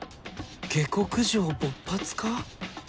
下克上勃発か？